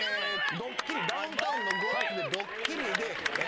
ドッキリ『ダウンタウンのごっつ』でドッキリで。